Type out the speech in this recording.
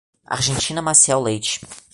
Argentina Maciel Leite